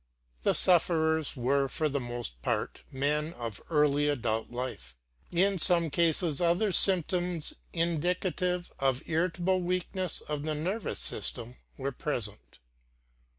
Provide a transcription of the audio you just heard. The sufferers were for the most part men in early adult life. In some cases other symptoms, indicative of irritable weakness of the nervous system, were present.